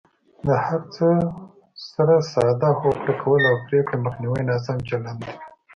د هر څه سره ساده هوکړه کول او پرېکړو مخنیوی ناسم چلند دی.